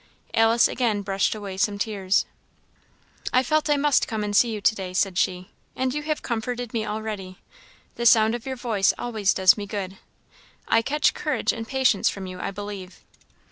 Alice again brushed away some tears. "I felt I must come and see you to day," said she, "and you have comforted me already. The sound of your voice always does me good. I catch courage and patience from you, I believe."